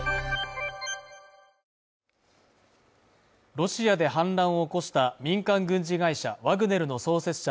ロシアで反乱を起こした民間軍事会社ワグネルの創設者